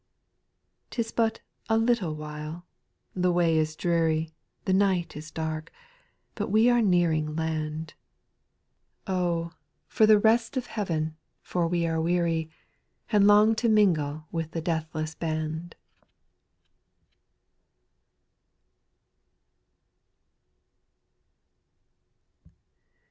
8. 'T is but " a little while ;"— the way is dreary, The night is dark — but we are nearing land ; Oh 1 for the rest of heaven, for we are weary. And long to mingle with the deathless band!